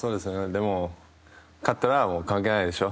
でも、勝ったらもう関係ないでしょ。